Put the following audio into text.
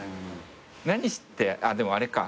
何してでもあれか。